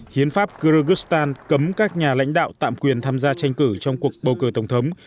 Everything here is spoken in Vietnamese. hiến pháp kyrgyzstan cấm các nhà lãnh đạo tạm quyền tham gia tranh cử trong cuộc bầu cử tổng thống